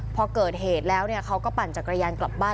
พอเกิดเหตุแล้วเขาก็ปั่นจักรยานกลับบ้าน